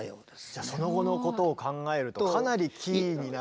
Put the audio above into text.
じゃあその後のことを考えるとかなりキーになった方。